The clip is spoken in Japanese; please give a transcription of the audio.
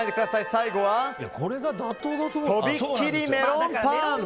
最後は、とびっきりメロンパン。